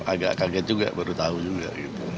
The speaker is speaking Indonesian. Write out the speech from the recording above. agak kaget juga baru tahu juga